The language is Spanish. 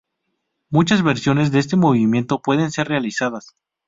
Muchas versiones de este movimiento pueden ser realizadas.